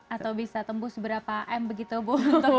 atau bisa tembus berapa m begitu bu